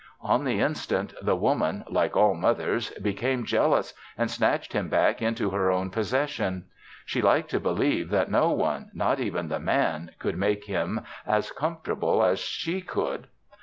On the instant the Woman, like all mothers, became jealous and snatched him back into her own possession. She liked to believe that no one, not even the Man, could make him as comfortable as she could.